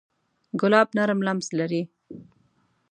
ګلاب نرم لمس لري.